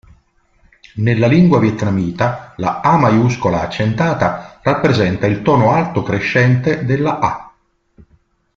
Nella lingua vietnamita la "Á" rappresenta il tono alto crescente della "a".